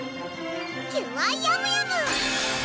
キュアヤムヤム！